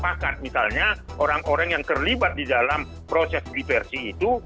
kalau sudah sepakat misalnya orang orang yang terlibat di dalam proses diversi itu